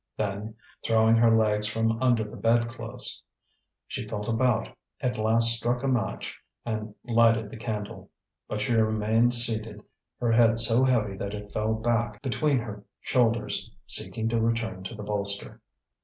Then, throwing her legs from under the bedclothes, she felt about, at last struck a match and lighted the candle. But she remained seated, her head so heavy that it fell back between her shoulders, seeking to return to the bolster.